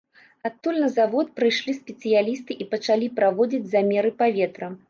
Адтуль на завод прыйшлі спецыялісты і пачалі праводзіць замеры паветра.